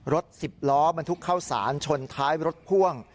รถ๑๐ล้อบรรทุกเข้าสารชนท้ายรถพ่วง